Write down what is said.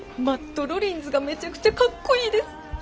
マット・ロリンズがめちゃくちゃかっこいいです。